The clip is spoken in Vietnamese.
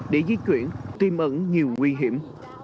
để di chuyển tìm ẩn nhiều nguy hiểm